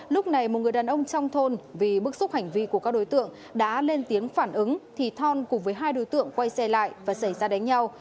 lúc này một người đàn ông trong thôn vì bức xúc hành vi của các đối tượng đã lên tiếng phản ứng thì thon cùng với hai đối tượng quay xe lại và xảy ra đánh nhau